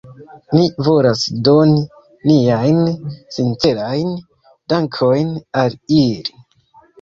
Ni volas doni niajn sincerajn dankojn al ili.